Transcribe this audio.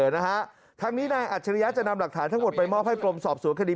นะฮะทางนี้นายอัจฉริยะจะนำหลักฐานทั้งหมดไปมอบให้กรมสอบสวนคดี